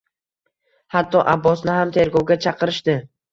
Hatto Abbosni ham tergovga chaqirishdi